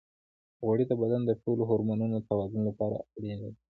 غوړې د بدن د ټولو هورمونونو د توازن لپاره اړینې دي.